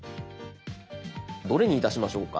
どれにいたしましょうか？